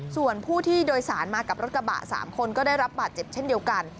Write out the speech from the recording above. ส่วนผู้ที่โดยสารมากับรถกระบะ๓คนก็ได้รับบาดเจ็บเช่นเดียวกัน